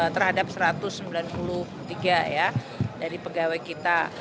terhadap satu ratus sembilan puluh tiga ya dari pegawai kita